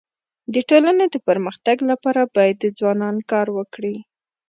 د ټولني د پرمختګ لپاره باید ځوانان کار وکړي.